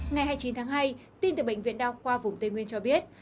ngày hai mươi chín tháng hai tin từ bệnh viện đao khoa vùng tây nguyên cho biết